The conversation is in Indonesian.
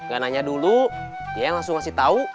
gak nanya dulu dia yang langsung ngasih tahu